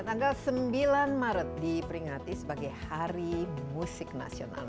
tanggal sembilan maret diperingati sebagai hari musik nasional